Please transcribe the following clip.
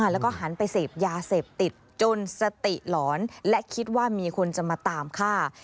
แล้วก็หันไปเสพยาเสพติดจนสติหลอนและคิดว่ามีคนจะมาตามฆ่า